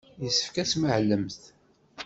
Yessefk ad tmahlemt.